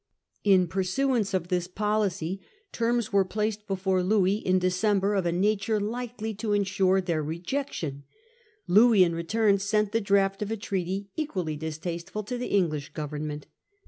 In pursuance of this policy, terms were placed before Louis in December of a nature likely to insure their rejectipn. Louis in return sent the draft of a treaty 1067. The Triple Alliance, 159 equally distasteful to the English Government.